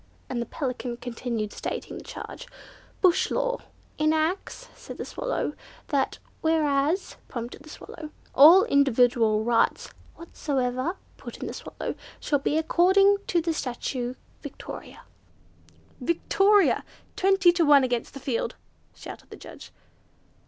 and the Pelican continued stating the charge.) "Bush law" ("enacts," said the Swallow) "that" ("whereas," prompted the Swallow) "all individual rights" ("whatsoever," put in the Swallow) "shall be according to the statute Victoria—" "Victoria! Twenty to one against the field," shouted the judge.